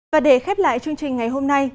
và để khép lại chương trình ngày hôm nay